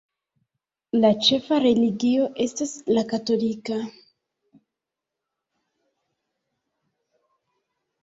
La ĉefa religio estas la katolika.